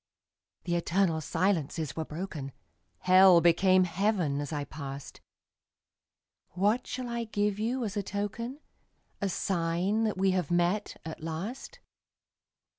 The eternal silences were broken; Hell became Heaven as I passed. What shall I give you as a token, A sign that we have met, at last?